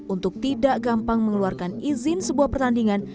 untuk tidak gampang mengeluarkan izin sebuah pertandingan